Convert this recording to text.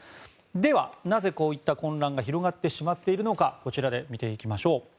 では、なぜこういった混乱が広がってしまっているのかこちらで見ていきましょう。